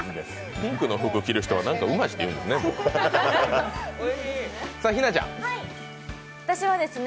ピンクの服着る人はうましって言うんですね。